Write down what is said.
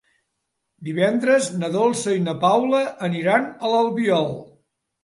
Divendres na Dolça i na Paula aniran a l'Albiol.